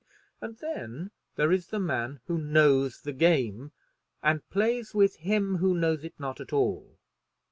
And then there is the man who knows the game, and plays with him who knows it not at all.